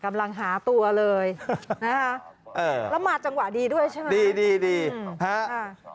กำลังหาตัวเลยนะครับเอ่อน้ำมั่ดจังหวะดีด้วยใช่ไหมดีดีดีนะครับ